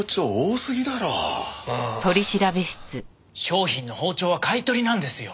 商品の包丁は買い取りなんですよ。